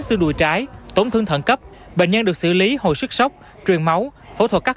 xương đùi trái tổn thương thận cấp bệnh nhân được xử lý hồi sức sốc truyền máu phẫu thuật cắt